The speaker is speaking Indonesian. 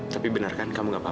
tapi bener kan kamu nggak apa apa